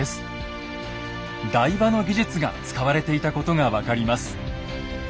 台場の技術が使われていたことが分かります。